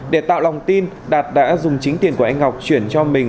để tạo lòng tin đạt đã dùng chính tiền của anh ngọc chuyển cho mình